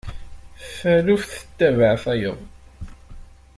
Taluft tettabaε tayeḍ.